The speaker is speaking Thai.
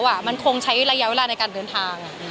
มันคงใช้ระยะเวลาในการเดินทาง